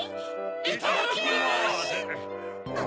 いただきます！